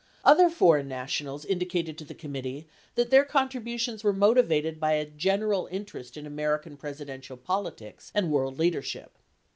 Other foreign nationals indi cated to the committee that their contributions were motivated by a general interest in American Presidential politics and world leader ship.